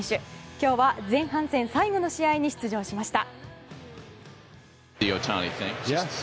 今日は前半戦最後の試合に出場しました。